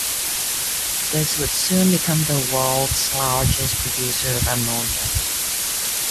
This would soon become the world's largest producer of ammonia.